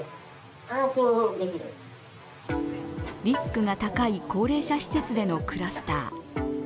リスクが高い高齢者施設でのクラスター。